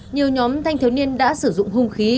nhiều nhóm thanh thiếu niên đã sử dụng hung khí